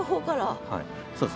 そうです。